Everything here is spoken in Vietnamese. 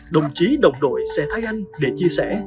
đồng chí đồng đội sẽ thay anh để chia sẻ